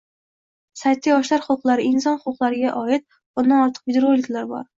Saytda yoshlar huquqlari, inson huquqlariga oid oʻndan ortiq videorolik bor